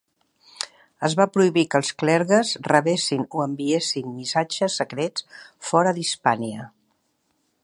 Es va prohibir que els clergues rebessin o enviessin missatges secrets fora d'Hispània.